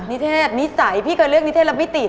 นิเทศนิสัยพี่เคยเลือกนิเทศแล้วไม่ติด